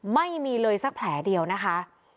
ไม่มีเลยสักแผลเดียวนะคะ